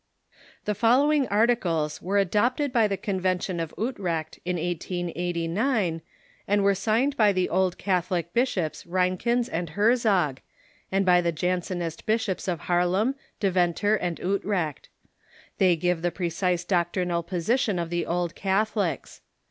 The following articles were adopted by the Convention of Utrecht in 1889, and were signed by the Old Catholic bishops Articles of Reinkens and Herzog, and by the Jansenist bish Convention of ops of Harlem, Deventer, and Utrecht. They give '^'^ the precise doctrinal position of the Old Catholics.